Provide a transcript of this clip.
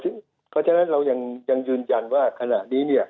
เพราะฉะนั้นเรายังยืนยันว่าขณะนี้เนี่ย